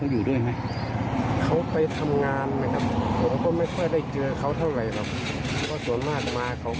อย่างนี้ผมไม่ได้รู้อีกค่ะ